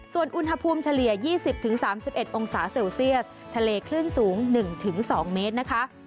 ส่วนอุณหภูมิเฉลี่ย๒๐๓๑องศาเซลเซียสทะเลคลื่นสูง๑๒เมตรนะคะ